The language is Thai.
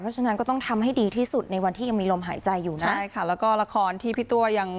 การเวลาเนี้ยก็ยังคงรอต่อไปว่าถ้าเกิดว่ามีการเปิดกอง